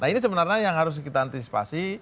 nah ini sebenarnya yang harus kita antisipasi